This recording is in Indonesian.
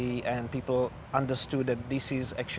dan orang orang memahami bahwa